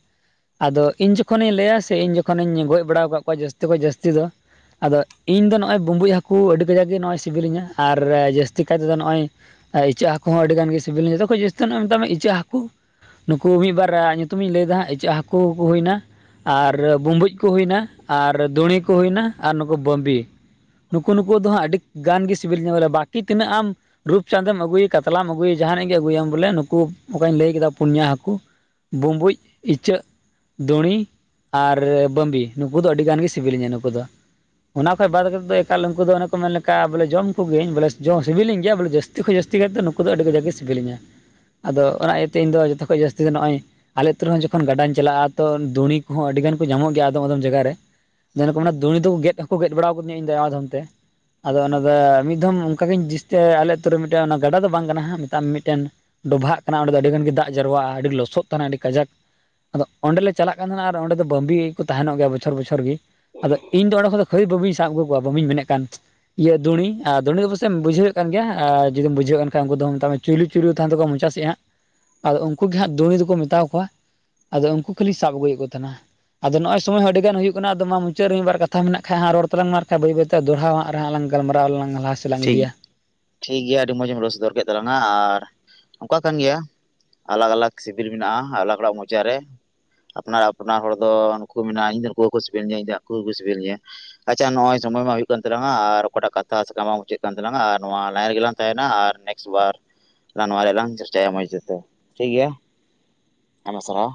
ᱟᱫᱚ ᱤᱧ ᱡᱚᱠᱷᱚᱱᱤᱧ ᱞᱟᱹᱭᱟ ᱥᱮ ᱤᱧ ᱡᱚᱠᱷᱚᱱᱤᱧ ᱜᱚᱡ ᱵᱟᱲᱟᱣ ᱠᱟᱜ ᱠᱚᱣᱟ ᱡᱟᱹᱥᱛᱤ ᱠᱷᱚᱡ ᱡᱟᱹᱥᱛᱤ ᱫᱚ᱾ ᱟᱫᱚ ᱤᱧ ᱫᱚ ᱱᱚᱜ-ᱚᱭ ᱵᱩᱢᱵᱩᱡ ᱦᱟᱹᱠᱩ ᱟᱹᱰᱤ ᱠᱟᱡᱟᱠ ᱜᱮ ᱱᱚᱜ-ᱚᱭ ᱥᱤᱵᱤᱞᱤᱧᱟ ᱟᱨ ᱡᱟᱹᱥᱛᱤ ᱠᱟᱭ ᱛᱮᱫᱚ ᱱᱚᱜ-ᱚᱭᱼᱼ ᱟᱨ ᱤᱪᱟᱹᱜ ᱦᱟᱹᱠᱩ ᱦᱚᱸ ᱟᱹᱰᱤ ᱜᱟᱱ ᱜᱮ ᱥᱤᱵᱤᱞᱤᱧ ᱡᱚᱛᱚ ᱠᱷᱚᱡ ᱡᱟᱹᱥᱛᱤ ᱛᱚ ᱱᱟᱜ ᱢᱮᱛᱟᱜ ᱢᱮ ᱤᱪᱟᱹᱜ ᱦᱟᱹᱠᱩ᱾ ᱱᱩᱠᱩ ᱢᱤᱫ ᱵᱟᱨ ᱟᱜ ᱧᱩᱛᱩᱢ ᱤᱧ ᱞᱟᱹᱭ ᱫᱟ ᱦᱟᱸᱜ ᱤᱪᱟᱹᱜ ᱦᱟᱹᱠᱩ ᱠᱩ ᱦᱩᱭ ᱱᱟᱼᱼ ᱟᱨ ᱵᱩᱢᱵᱩᱡ ᱠᱩ ᱦᱩᱭ ᱱᱟ ᱟᱨ ᱫᱩᱸᱬᱤ ᱠᱩ ᱦᱩᱭ ᱱᱟ ᱟᱨ ᱱᱩᱠᱩ ᱵᱟᱹᱢᱵᱤ᱾ ᱱᱩᱠᱩ ᱱᱩᱠᱩ ᱫᱚ ᱦᱟᱸᱜ ᱟᱹᱰᱤ ᱜᱟᱱ ᱜᱮ ᱥᱤᱵᱤᱞᱤᱧᱟᱹ ᱵᱚᱞᱮ ᱵᱟᱠᱤ ᱛᱤᱱᱟᱹᱜ ᱟᱢᱼᱼ ᱪᱟᱸᱫᱮᱢ ᱟᱹᱜᱩᱭᱤ ᱠᱟᱛᱞᱟᱢ ᱟᱹᱜᱩᱭᱤ ᱡᱟᱦᱟᱸᱱᱤᱡ ᱜᱮ ᱟᱹᱜᱩᱭ ᱮᱢ ᱵᱚᱞᱮ ᱱᱩᱠᱩ ᱚᱠᱟᱧ ᱞᱟᱹᱭ ᱠᱮᱫᱟ ᱯᱩᱱᱭᱟ ᱦᱟᱹᱠᱩᱼᱼ ᱵᱩᱸᱵᱩᱡ ᱤᱪᱟᱹᱜᱼᱼ ᱫᱩᱸᱬᱤ ᱟᱨ ᱵᱟᱹᱢᱵᱤ ᱱᱩᱠᱩ ᱫᱚ ᱟᱹᱰᱤ ᱜᱟᱱ ᱜᱤ ᱥᱤᱵᱤᱞᱤᱧᱟᱹ ᱱᱩᱠᱩ ᱫᱚ᱾ ᱚᱱᱟ ᱠᱷᱚᱡ ᱵᱟᱫᱽ ᱠᱟᱛᱮᱜ ᱫᱚ ᱮᱠᱟᱞ ᱩᱱᱠᱩ ᱫᱚ ᱚᱱᱮ ᱠᱚ ᱢᱮᱱ ᱞᱮᱠᱟ ᱵᱚᱞᱮ ᱡᱚᱢ ᱠᱚᱜᱤ ᱭᱟᱹᱧ ᱵᱚᱞᱮᱥ ᱡᱚᱢ ᱥᱤᱵᱤᱞᱤᱧ ᱜᱮᱭᱟ ᱵᱚᱞᱮ ᱡᱟᱹᱥᱼᱼ ᱛᱤ ᱠᱷᱚᱡ ᱡᱟᱹᱥᱛᱤ ᱠᱟᱭ ᱛᱮ ᱫᱚ ᱱᱩᱠᱩ ᱫᱚ ᱟᱹᱰᱤ ᱠᱟᱡᱟᱠ ᱜᱮ ᱥᱤᱵᱤᱞᱤᱧᱟ ᱟᱫᱚ ᱚᱱᱟ ᱤᱭᱟᱹ ᱛᱮ ᱤᱧ ᱫᱚ ᱡᱚᱛᱚ ᱠᱷᱚᱡ ᱡᱟᱹᱥᱛᱤ ᱫᱚ ᱱᱚᱜ-ᱚᱭᱼᱼ ᱟᱞᱮ ᱟᱹᱛᱩ ᱨᱮᱦᱚᱸ ᱡᱚᱠᱷᱚᱱ ᱜᱟᱰᱟᱧ ᱪᱟᱞᱟᱜ-ᱟ ᱛᱚ ᱫᱩᱸᱬᱤ ᱠᱚᱦᱚᱸ ᱟᱹᱰᱤ ᱜᱟᱱ ᱠᱩ ᱧᱟᱢᱚᱜ ᱜᱮᱭᱟ ᱟᱫᱚᱢ ᱟᱫᱚᱢ ᱡᱟᱭᱜᱟ ᱨᱮ᱾ ᱡᱮᱱᱮ ᱠᱚ ᱢᱮᱱᱟ ᱫᱩᱸᱬᱤ ᱫᱚ ᱜᱮᱫ ᱦᱚᱸᱠᱚ ᱜᱮᱫ ᱵᱟᱲᱟᱣ ᱠᱟᱹᱫᱤᱧᱟ ᱤᱧ ᱫᱚ ᱟᱭᱢᱟ ᱫᱷᱚᱢ ᱛᱮ᱾ ᱟᱫᱚ ᱚᱱᱟ ᱫᱚ ᱢᱤᱫ ᱫᱷᱚᱢ ᱚᱱᱠᱟ ᱜᱤᱧ ᱡᱤᱥᱛᱤ ᱟᱞᱮ ᱟᱹᱛᱩ ᱨᱮ ᱢᱤᱫᱴᱮᱱ ᱜᱟᱰᱟ ᱫᱚ ᱵᱟᱝ ᱠᱟᱱᱟ ᱦᱟᱸᱜ ᱢᱮᱛᱟᱜ ᱢᱮ ᱢᱤᱫᱴᱮᱱᱼᱼ ᱰᱚᱵᱷᱟᱜ ᱠᱟᱱᱟ ᱚᱸᱰᱮ ᱫᱚ ᱟᱹᱰᱤ ᱜᱟᱱ ᱜᱮ ᱫᱟᱜ ᱡᱟᱨᱣᱟᱜ-ᱟ ᱟᱹᱰᱤ ᱞᱚᱥᱚᱫ ᱛᱟᱦᱮᱱᱟ ᱟᱹᱰᱤ ᱠᱟᱡᱟᱠ᱾ ᱟᱫᱚ ᱚᱸᱰᱮ ᱞᱮ ᱪᱟᱞᱟᱜ ᱠᱟᱱ ᱛᱟᱦᱮᱱᱟ ᱟᱨ ᱚᱸᱰᱮ ᱫᱚ ᱵᱟᱹᱢᱵᱤ ᱜᱤ ᱠᱩ ᱛᱟᱦᱮᱱᱚᱜ ᱜᱮᱭᱟ ᱵᱚᱪᱷᱚᱨ ᱵᱚᱪᱷᱚᱨ ᱜᱤ᱾ ᱟᱫᱚ ᱤᱧ ᱫᱚ ᱚᱸᱰᱮ ᱠᱷᱚᱱ ᱫᱚ ᱠᱷᱟᱹᱞᱤ ᱵᱟᱹᱢᱵᱤᱧ ᱥᱟᱵ ᱟᱹᱜᱩ ᱠᱚᱣᱟ ᱵᱟᱹᱢᱵᱤᱧ ᱢᱮᱱᱮᱜ ᱠᱟᱱᱼᱼ ᱤᱭᱟᱹ ᱫᱩᱬᱤ ᱟᱨ ᱫᱩᱬᱤ ᱫᱚ ᱵᱟᱥᱮᱜ ᱮᱢ ᱵᱩᱡᱷᱟᱹᱣᱮᱜ ᱠᱟᱱ ᱜᱮᱭᱟ ᱾ ᱟᱨ ᱡᱩᱫᱤᱢ ᱵᱩᱡᱷᱟᱹᱣᱮᱜ ᱠᱟᱱ ᱠᱟᱷᱟᱡ ᱩᱱᱠᱩ ᱫᱚ ᱢᱮᱛᱟᱜ ᱢᱮ ᱪᱩᱭᱞᱩ ᱪᱩᱭᱞᱩ ᱛᱟᱦᱮᱱ ᱛᱟᱠᱚᱣᱟ ᱢᱚᱪᱟ ᱥᱮᱜ ᱦᱟᱸᱜ᱾ ᱢᱚᱞᱮ ᱟᱫᱚ ᱩᱱᱠᱩ ᱜᱮ ᱦᱟᱸᱜ ᱫᱩᱬᱤ ᱫᱩᱠᱩ ᱢᱮᱛᱟᱣ ᱠᱚᱣᱟ ᱟᱫᱚ ᱩᱱᱠᱩ ᱠᱷᱟᱹᱞᱤᱧ ᱥᱟᱵ ᱟᱹᱜᱩᱭᱮᱜ ᱠᱚ ᱛᱮᱦᱮᱸᱱᱟ᱾ ᱟᱫᱚ ᱱᱚᱜ-ᱚᱭ ᱥᱚᱢᱚᱭ ᱟᱹᱰᱤ ᱜᱟᱱ ᱦᱩᱭᱩᱜ ᱠᱟᱱᱟ ᱟᱫᱚ ᱢᱟ ᱢᱩᱪᱟᱹᱜ ᱨᱮ ᱢᱤᱫ ᱵᱟᱨ ᱠᱟᱛᱷᱟ ᱢᱮᱱᱟᱜ ᱠᱷᱟᱱ ᱦᱟᱸᱜ ᱨᱚᱲ ᱛᱟᱞᱟᱝ ᱢᱮ ᱟᱨ ᱠᱷᱟᱡ ᱵᱟᱹᱭ ᱵᱟᱹᱭ ᱛᱮ ᱫᱚᱲᱦᱟ ᱣᱟᱜ ᱨᱮᱦᱟᱸᱜ ᱞᱟᱝᱼᱼ ᱜᱟᱞᱢᱟᱨᱟᱣ ᱞᱟᱝ ᱞᱟᱦᱟ ᱥᱮᱫ ᱞᱟᱝ ᱴᱷᱤᱠ ᱤᱫᱤᱭᱟ [inaudible] ᱴᱷᱤᱠ ᱜᱮᱭᱟ ᱟᱹᱰᱤ ᱢᱚᱸᱡᱮᱢ ᱨᱳᱥᱫᱚᱨ ᱠᱮᱫ ᱛᱟᱞᱟᱝᱟ ᱟᱨ ᱚᱱᱠᱟ ᱠᱟᱱ ᱜᱮᱭᱟ ᱟᱞᱟᱜᱽ ᱟᱞᱟᱜᱽ ᱥᱤᱵᱤᱞ ᱢᱮᱱᱟᱜ-ᱟ, ᱟᱞᱟᱜᱽ ᱦᱚᱲᱟᱜ ᱢᱚᱪᱟ ᱨᱮ᱾ ᱟᱯᱱᱟᱨᱟᱜ ᱟᱯᱱᱟᱨ ᱦᱚᱲ ᱫᱚ ᱱᱩᱠᱩ ᱢᱮᱱᱟᱜ-ᱟ ᱤᱧ ᱫᱚ ᱱᱩᱠᱩ ᱦᱚᱸᱠᱚ ᱥᱤᱵᱤᱞ ᱤᱧᱟ ᱤᱧ ᱫᱩ ᱟᱠᱩ ᱦᱚᱸ ᱠᱩ ᱥᱤᱵᱤᱞ ᱤᱧᱟ᱾ ᱟᱪᱪᱷᱟ ᱱᱚᱜ-ᱚᱭ ᱥᱚᱢᱚᱭ ᱢᱟ ᱦᱩᱭᱩᱜ ᱠᱟᱱ ᱛᱟᱞᱟᱝᱟ ᱟᱨ ᱚᱠᱟᱴᱟᱜ ᱠᱟᱛᱷ ᱴᱟᱥ ᱠᱟᱢᱟᱣ ᱢᱩᱪᱟᱹᱜ ᱠᱟᱱ ᱛᱟᱞᱟᱝᱟ ᱟᱨ ᱱᱚᱣᱟ ᱞᱟᱭᱤᱱ ᱨᱮᱜᱤ ᱞᱟᱝ ᱛᱟᱦᱮᱱᱟ ᱟᱨ ᱱᱮᱠᱥᱴ ᱵᱟᱨ ᱞᱟᱝ ᱱᱚᱣᱟ ᱨᱮᱭᱟᱜ ᱞᱟᱝ ᱪᱮᱥᱴᱟᱭᱟ ᱢᱚᱡᱽ ᱛᱮᱛᱚ ᱴᱷᱤᱠ ᱜᱮᱭᱟ, ᱟᱭᱢᱟ ᱥᱟᱨᱦᱟᱣ᱾